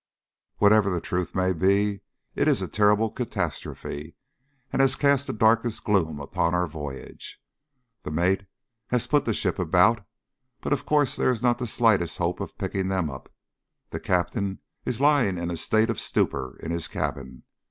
Whatever the truth may be it is a terrible catastrophe, and has cast the darkest gloom upon our voyage. The mate has put the ship about, but of course there is not the slightest hope of picking them up. The Captain is lying in a state of stupor in his cabin.